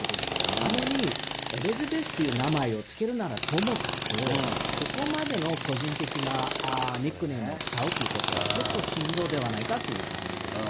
なのにエリザベスっていう名前を付けるならともかく、ここまでの個人的なニックネームを使うってことは、ちょっとではないかという感じです。